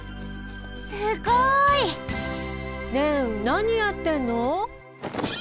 すごい！ねえなにやってんの？